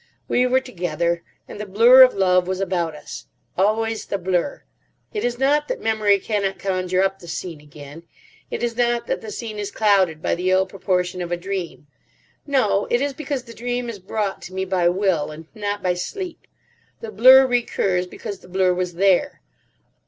We were together, and the blur of love was about us. Always the blur. It is not that memory cannot conjure up the scene again. It is not that the scene is clouded by the ill proportion of a dream. No. It is because the dream is brought to me by will and not by sleep. The blur recurs because the blur was there.